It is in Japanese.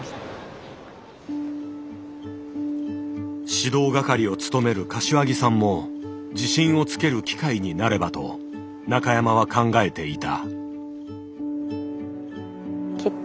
指導係を務める柏木さんも自信をつける機会になればと中山は考えていた。